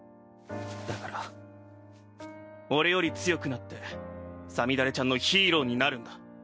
だから俺より強くなってさみだれちゃんのヒーローになるんだ。